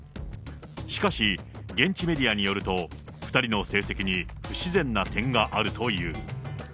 しかし、現地メディアによると、２人の成績に不自然な点があるという。